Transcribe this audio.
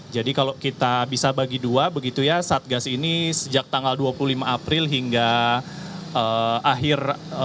jadi kalau kita bisa bagi dua begitu ya satgas ini sejak tanggal dua puluh lima april hingga akhir